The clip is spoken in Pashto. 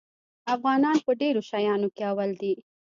افغانان په ډېرو شیانو کې اول دي.